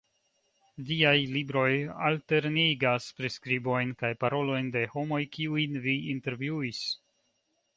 Viaj libroj alternigas priskribojn kaj parolojn de homoj kiujn vi intervjuis.